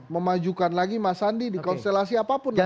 memajukan lagi mas sandi di konstelasi apapun